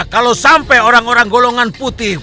kalau sampai orang orang golongan putih